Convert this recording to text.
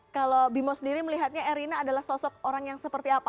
kalau bimo sendiri melihatnya erina adalah sosok orang yang seperti apa